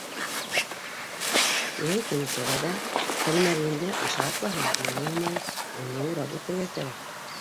Йәй көнө туғайҙа тәлмәрйенде аша атлаһаң, юл уңмай -уны урап үтергә кәрәк.